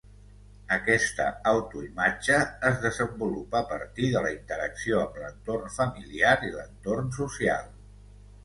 Aquesta autoimatge es desenvolupa a partir de la interacció amb l'entorn familiar i l'entorn social.